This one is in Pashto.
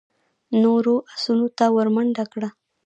نورو آسونو ته ور منډه کړه.